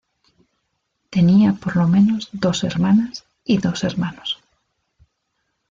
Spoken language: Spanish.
Tenía por lo menos dos hermanas y dos hermanos.